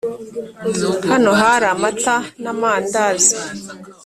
hano hari amata n’ amandazi